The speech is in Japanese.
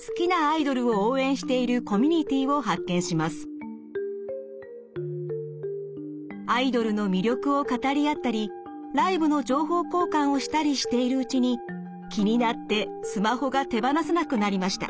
偶然ＳＮＳでアイドルの魅力を語り合ったりライブの情報交換をしたりしているうちに気になってスマホが手放せなくなりました。